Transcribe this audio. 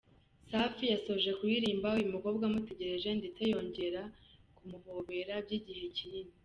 Safi yasoje kuririmba uyu mukobwa amutegereje ndetse yongera kumuhobera by’igihe kinini.